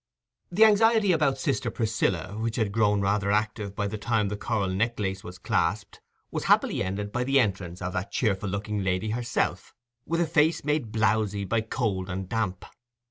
The anxiety about sister Priscilla, which had grown rather active by the time the coral necklace was clasped, was happily ended by the entrance of that cheerful looking lady herself, with a face made blowsy by cold and damp.